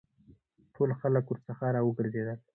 ټول خلک ورڅخه را وګرځېدل.